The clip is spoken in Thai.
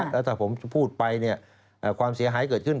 แล้วถ้าผมพูดไปความเสียหายเกิดขึ้น